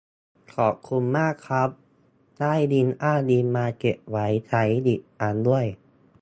ขอบคุณมากครับ ได้ลิงก์อ้างอิงมาเก็บไว้ใช้อีกอันด้วย